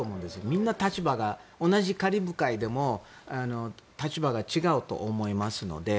みんな立場が同じカリブ海でも立場が違うと思いますので。